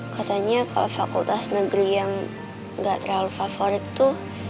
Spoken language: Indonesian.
katanya kalau fakultas negeri yang nggak terlalu favorit tuh